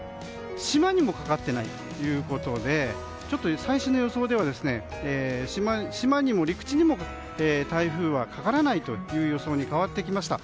島にもかかっていないということで最新の予想では島にも陸地にも台風はかからないという予想に変わってきました。